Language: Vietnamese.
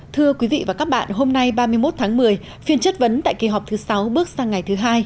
thưa quý vị và các bạn hôm nay ba mươi một tháng một mươi phiên chất vấn tại kỳ họp thứ sáu bước sang ngày thứ hai